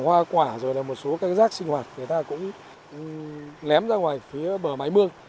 hoa quả rồi là một số các rác sinh hoạt người ta cũng lém ra ngoài phía bờ mái mưa